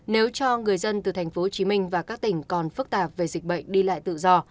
nếu cho người dân từ thành phố hồ chí minh và các tỉnh còn phức tạp về dịch bệnh đi lại tự do